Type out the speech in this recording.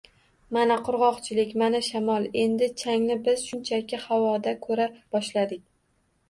Mana qurg‘oqchilik, mana shamol, endi changni biz shunchaki havoda ko‘ra boshladik.